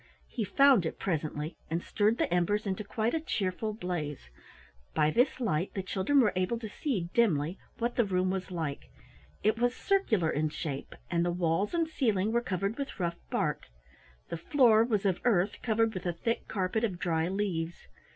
He found it presently and stirred the embers into quite a cheerful blaze. By this light the children were able to see dimly what the room was like. It was circular in shape and the walls and ceiling were covered with rough bark. The floor was of earth, covered with a thick carpet of dry leaves.